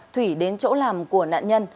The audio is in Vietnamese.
thủy đến chỗ làm của nạn nhân